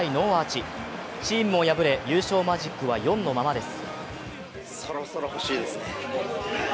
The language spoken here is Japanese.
チームも敗れ優勝マジックは４のままです。